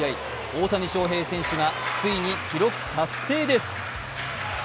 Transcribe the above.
大谷翔平選手がついに記録達成です。